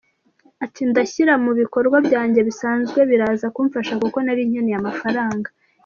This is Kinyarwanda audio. Ati “Ndayashyira mu bikorwa byanjye bisanzwe, biraza kumfasha kuko nari nkeneye amafaranga.